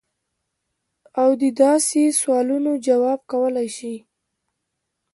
او د داسې سوالونو جواب کولے شي -